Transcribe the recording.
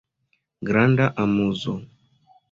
Granda amuzo.